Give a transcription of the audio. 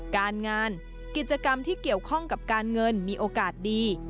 การงานกิจกรรมที่เกี่ยวข้องกับการเงินมีโอกาสดี